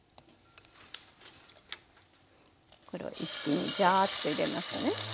これを一気にジャーッと入れますね。